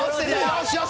よしよし！